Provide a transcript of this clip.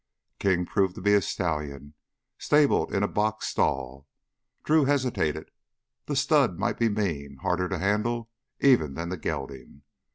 King proved to be a stallion, stabled in a box stall. Drew hesitated. The stud might be mean, harder to handle even than the gelding.